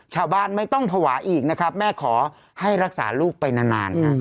ชาวบ้านไม่ต้องภาวะอีกนะครับแม่ขอให้รักษาลูกไปนาน